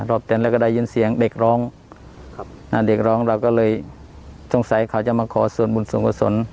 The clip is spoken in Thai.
เต้นแล้วก็ได้ยินเสียงเด็กร้องครับอ่าเด็กร้องเราก็เลยสงสัยเขาจะมาขอส่วนบุญส่วนกุศล